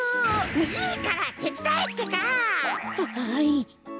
いいからてつだえってか！ははい！